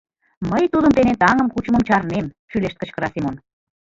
— Мый тудын дене таҥым кучымым чарнем! — шӱлешт кычкыра Семон.